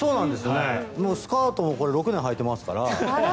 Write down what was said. このスカートも６年はいていますから。